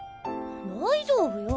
大丈夫よ。